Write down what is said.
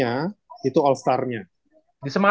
menurut awas dari compass plasmae